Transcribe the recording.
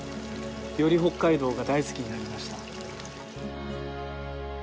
より北海道が大好きになりました。